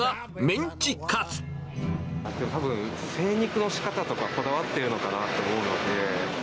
たぶん、精肉のしかたとかこだわってるのかなと思うので。